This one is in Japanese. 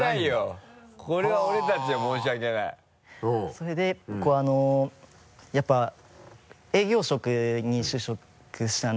それでやっぱり営業職に就職したんで。